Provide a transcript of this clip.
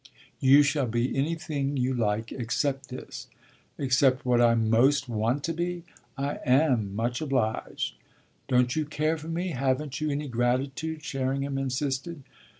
"You shall be anything you like except this." "Except what I most want to be? I am much obliged." "Don't you care for me? Haven't you any gratitude?" Sherringham insisted.